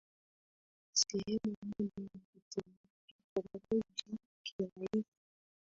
sehemu moja ya kitogoji kinaitwa